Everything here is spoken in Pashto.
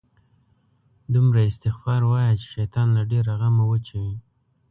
دومره استغفار وایه، چې شیطان له ډېره غمه وچوي